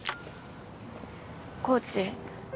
コーチ。